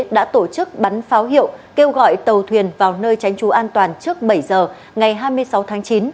đã tổ chức bắn pháo hiệu kêu gọi tàu thuyền vào nơi tránh trú an toàn trước bảy giờ ngày hai mươi sáu tháng chín